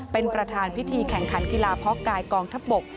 เป็นประธานพิธีแข่งขันกีฬาเพาะกายกองทัพบก